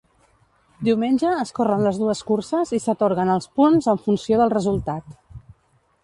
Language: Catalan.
Diumenge es corren les dues curses i s'atorguen els punts en funció del resultat.